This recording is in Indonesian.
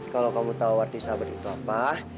kalau kamu tahu arti sahabat itu apa